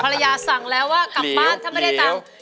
ภรรยาสั่งแล้วว่ากลับบ้านถ้าไม่ได้ตาม